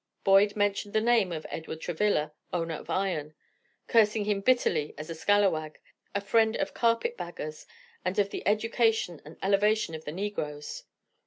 Boyd mentioned the name of "Edward Travilla, owner of Ion," cursing him bitterly as a scalawag, a friend of carpet baggers, and of the education and elevation of the negroes.